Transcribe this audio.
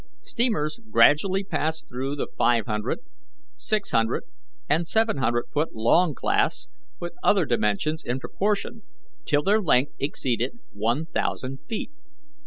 Steamers gradually passed through the five hundred , six hundred , and seven hundred foot long class, with other dimensions in proportion, till their length exceeded one thousand feet.